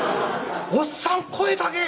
おっさん声高え。